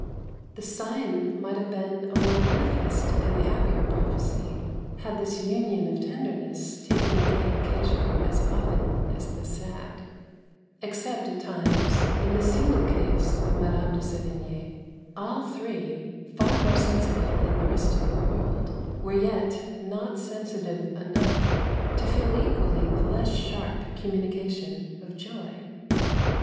The sign might have been a more manifest and a happier prophecy had this union of tenderness taken the gay occasion as often as the sad. Except at times, in the single case of Mme. de Sevigne, all three far more sensitive than the rest of the world were yet not sensitive enough to feel equally the less sharp communication of joy.